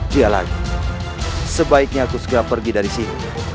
dia lagi sebaiknya aku segera pergi dari sini